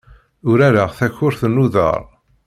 Urareɣ takurt n uḍar.